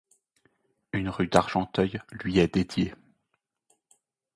Une rue d'Argenteuil lui est dédiée.